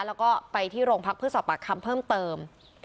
แล้วก็ไปที่โรงพักเพื่อสอบปากคำเพิ่มเติม